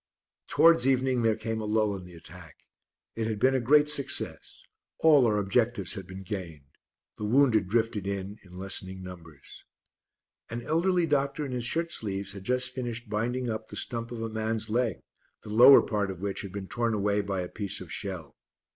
Towards evening there came a lull in the attack. It had been a great success; all our objectives had been gained; the wounded drifted in in lessening numbers. An elderly doctor in his shirt sleeves had just finished binding up the stump of a man's leg, the lower part of which had been torn away by a piece of shell.